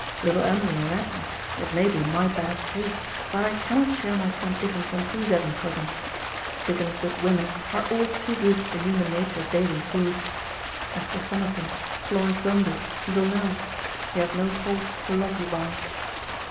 Little Em'ly and Agnes, it may be my bad taste, but I cannot share my friend Dickens' enthusiasm for them. Dickens' good women are all too good for human nature's daily food. Esther Summerson, Florence Dombey, Little Nell—you have no faults to love you by.